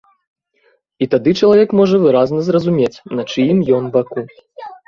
І тады чалавек можа выразна зразумець, на чыім ён баку.